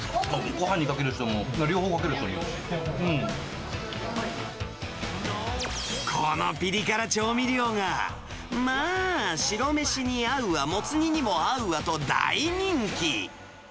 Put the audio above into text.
ごはんにかける人も、両方かこのピリ辛調味料が、まあ、白飯に合うわモツ煮にも合うわと、大人気。